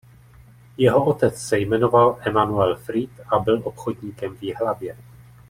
Jeho otec se jmenoval "Emanuel Fried" a byl obchodníkem v Jihlavě.